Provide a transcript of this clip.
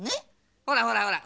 ほらほらほら！